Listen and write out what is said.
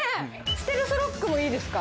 ステルスロックもいいですか？